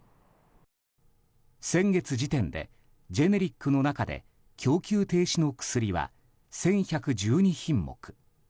先月時点でジェネリックの中で供給停止の薬は１１１２品目。